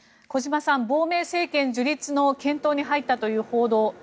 小島さん、亡命政権樹立の検討に入ったという報道